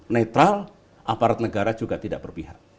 netral aparat negara juga tidak berpihak